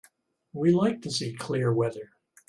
We like to see clear weather.